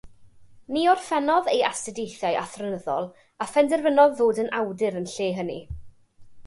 Ni orffennodd ei astudiaethau athronyddol a phenderfynodd ddod yn awdur yn lle hynny.